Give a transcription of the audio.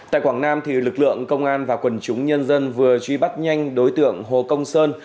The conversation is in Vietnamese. tại quảng nam lực lượng công an và quần chúng nhân dân vừa truy bắt nhanh đối tượng hồ công sơn